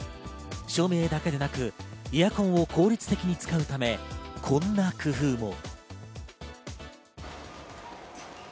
照明だけでなく、エアコンを効率的に使うため、こんな工夫も。